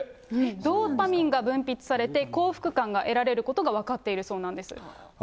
ドーパミンが分泌されて、幸福感が得られることが分かっているそうなんです。